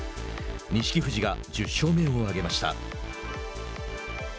錦富士が１０勝目を挙げました。